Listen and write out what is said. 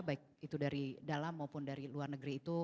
baik itu dari dalam maupun dari luar negeri itu